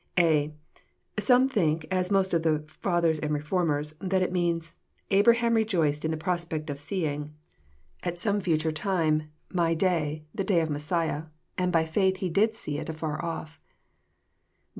(a) Some think, as most of the Fathers and Reformers, that it means, <* Abraham rejoiced in the prospect of seeing, at JOHN, CHAP, vni, 131 some Aitare time, My day, the day of Messiah ; and by faith he did see it afar off."